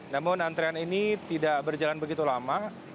namun antrean ini tidak berjalan begitu lama